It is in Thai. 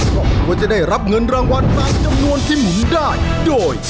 ครอบครัวจะได้รับเงินรางวัลตามจำนวนที่หมุนได้โดย